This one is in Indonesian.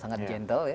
sangat gentle ya